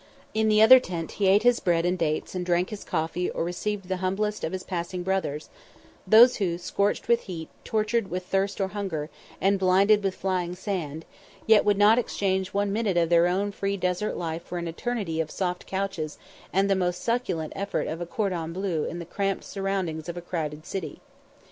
In the other tent he ate his bread and dates and drank his coffee or received the humblest of his passing brothers; those who, scorched with heat, tortured with thirst or hunger, and blinded with flying sand, yet would not exchange one minute of their own free desert life for an eternity of soft couches and the most succulent effort of a cordon bleu in the cramped surroundings of a crowded city.